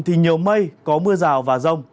thì nhiều mây có mưa rào và rông